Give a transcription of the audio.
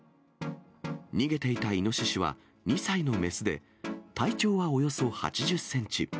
逃げていたイノシシは２歳の雌で、体長はおよそ８０センチ。